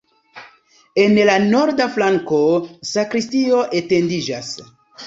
En la norda flanko sakristio etendiĝas.